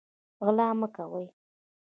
غلا مه کوئ